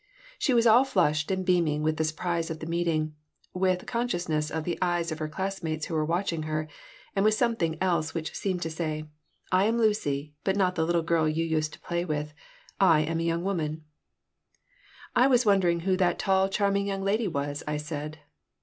She was all flushed and beaming with the surprise of the meeting, with consciousness of the eyes of her classmates who were watching her, and with something else which seemed to say: "I am Lucy, but not the little girl you used to play with. I am a young woman." "And I was wondering who that tall, charming young lady was," I said.